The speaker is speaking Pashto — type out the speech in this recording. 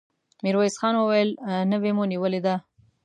ميرويس خان وويل: نوې مو نيولې ده!